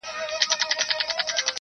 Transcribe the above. هغه وايي دلته هر څه بدل سوي او سخت دي,